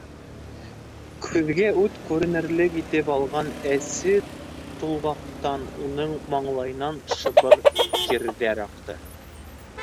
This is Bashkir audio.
Күҙгә ут күренерлек итеп алған әсе тулғаҡтан уның маңлайынан шыбыр тирҙәр аҡты.